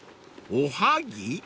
［おはぎ？］